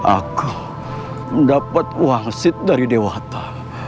aku mendapat uang sid dari dewata